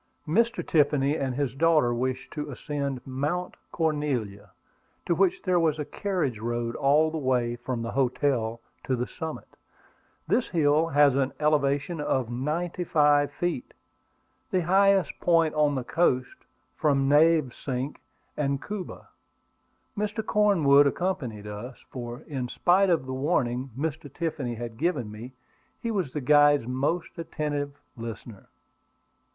Mr. Tiffany and his daughter wished to ascend Mount Cornelia, to which there was a carriage road all the way from the hotel to the summit. This hill has an elevation of ninety five feet, the highest point on the coast from Navesink and Cuba. Mr. Cornwood accompanied us, for, in spite of the warning Mr. Tiffany had given me, he was the guide's most attentive listener.